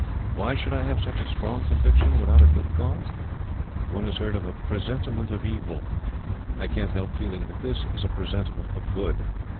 Why should I have such a strong conviction without a good cause? One has heard of a presentiment of evil I can't help feeling that this is a presentiment of good.